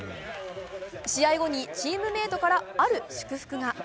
試合後にチームメートからある祝福が。